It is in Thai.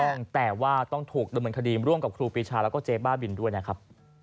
ต้องแต่ว่าต้องถูกดำเนินคดีร่วมกับครูปีชาแล้วก็เจ๊บ้าบินด้วยนะครับ